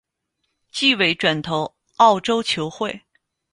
季尾转投澳洲球会。